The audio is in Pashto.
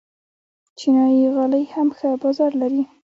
چینايي غالۍ هم ښه بازار لري.